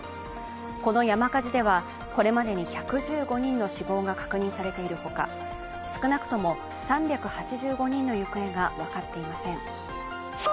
この山火事では、これまでに１１５人の死亡が確認されているほか、少なくとも３８５人の行方が分かっていません。